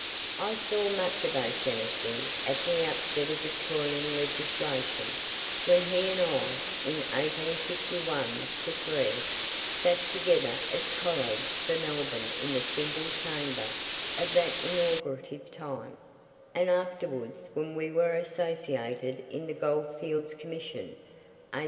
I saw much of O'Shanassy at the outset of Victorian legislation, when he and I, in 1851 3, sat together as colleagues for Melbourne in the single chamber of that inaugurative time, and afterwards when we were associated in the Goldfields Commission, 1854 5.